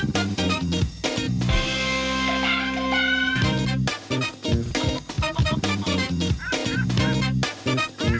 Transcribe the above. สวัสดีค่ะ